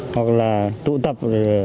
hoặc là tụ tập